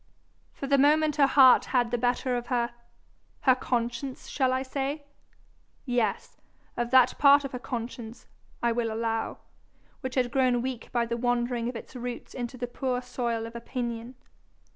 For the moment her heart had the better of her conscience, shall I say? Yes, of that part of her conscience, I will allow, which had grown weak by the wandering of its roots into the poor soil of opinion.